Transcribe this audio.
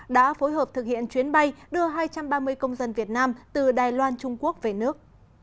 đã phối hợp thực hiện chuyến bay đưa hai trăm ba mươi công dân việt nam từ đài loan trung quốc về nước